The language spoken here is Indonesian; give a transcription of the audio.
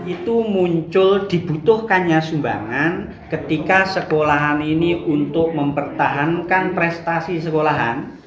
itu muncul dibutuhkannya sumbangan ketika sekolahan ini untuk mempertahankan prestasi sekolahan